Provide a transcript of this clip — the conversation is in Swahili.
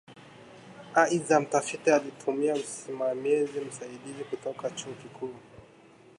Aidha mtafiti alitumia Msimamizi Msaidizi kutoka Chuo Kikuu